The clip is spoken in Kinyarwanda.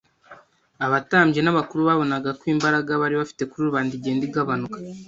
Abatambyi n'abakuru babonaga ko imbaraga bari bafite kuri rubanda igenda igabanuka